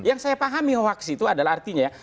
yang saya pahami hoax itu adalah artinya ya